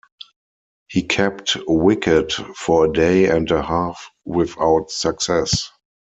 He kept wicket for a day and a half without success.